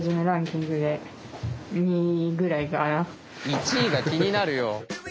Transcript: １位が気になるよ。